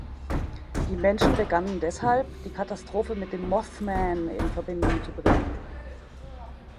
Die Menschen begannen deshalb, die Katastrophe mit dem Mothman in Verbindung zu bringen.